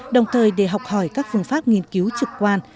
đồng thời để học hỏi các phương pháp nghiên cứu trực quan